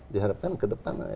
diharapkan ke depan